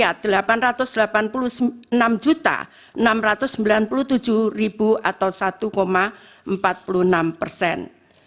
atau satu empat puluh enam persen